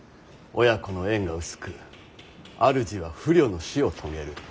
親子の縁が薄く主は不慮の死を遂げる。